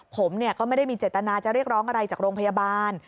ผมก็ไม่ได้มีเจตนาจะเรียกร้องอะไรจากโรงพยาบาล